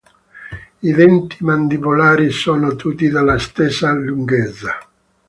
I denti mandibolari sono tutti della stessa lunghezza.